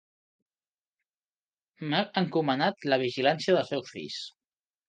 M'ha encomanat la vigilància dels seus fills.